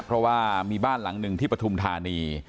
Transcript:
เพราะว่ามีบ้านหลังหนึ่งที่ปฐุมธานี